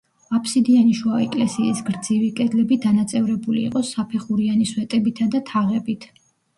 აფსიდიანი შუა ეკლესიის გრძივი კედლები დანაწევრებული იყო საფეხურიანი სვეტებითა და თაღებით.